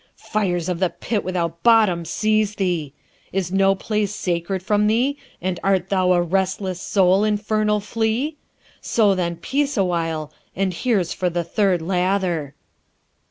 Fires of the pit without bottom seize thee! is no place sacred from thee, and art thou a restless soul, infernal flea? So then, peace awhile, and here's for the third lather.'